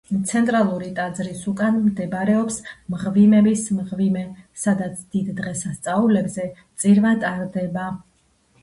ცენტრალური ტაძრის უკან მდებარეობს მღვიმევის მღვიმე, სადაც დიდ დღესასწაულებზე წირვა ტარდება.